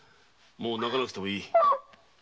もう泣かなくてもいい。